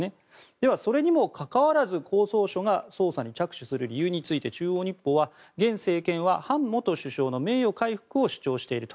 では、それにもかかわらず公捜処が捜査に着手する理由について中央日報は現政権はハン元首相の名誉回復を主張していると。